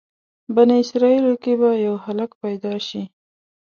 بني اسرایلو کې به یو هلک پیدا شي.